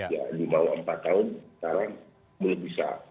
ya di bawah empat tahun sekarang belum bisa